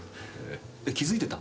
気付いてた？